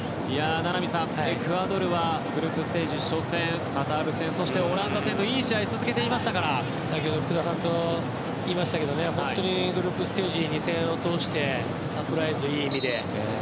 名波さん、エクアドルはグループステージ初戦のカタール戦そしてオランダ戦と先ほど、福田さんと言いましたけどね、本当にグループステージ２戦を通してサプライズ、いい意味で。